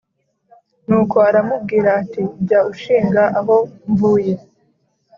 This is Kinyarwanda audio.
nuko aramubwira ati: jya ushinga aho mvuye :